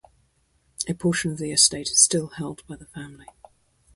A portion of the estate is still held by the family.